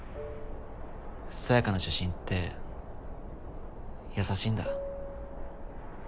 紗也香の写真って優しいんだ。